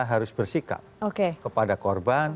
harus bersikap kepada korban